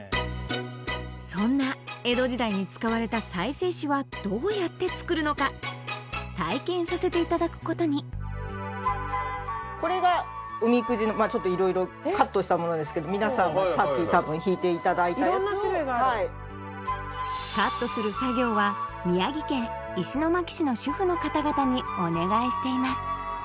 そんな江戸時代に使われた再生紙はどうやって作るのか体験させていただくことにこれがおみくじの色々カットしたものですけど皆さんもさっき多分引いていただいた色んな種類があるカットする作業はの方々にお願いしています